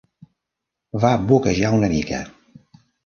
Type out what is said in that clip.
Va boquejar una mica.